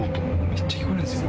めっちゃ聞こえるんですよ。